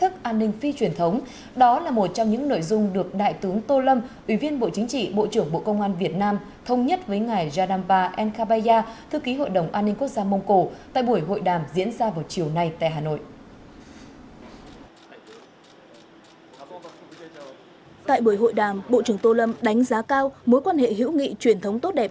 tại buổi hội đàm bộ trưởng tô lâm đánh giá cao mối quan hệ hữu nghị truyền thống tốt đẹp